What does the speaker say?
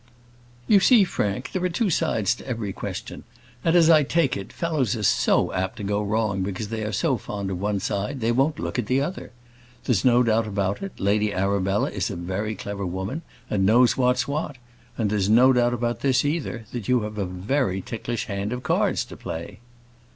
"You see, Frank, there are two sides to every question; and, as I take it, fellows are so apt to go wrong because they are so fond of one side, they won't look at the other. There's no doubt about it, Lady Arabella is a very clever woman, and knows what's what; and there's no doubt about this either, that you have a very ticklish hand of cards to play."